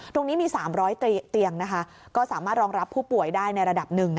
ตรงนี้มี๓๐๐เตียงก็สามารถรองรับผู้ป่วยได้ในระดับหนึ่ง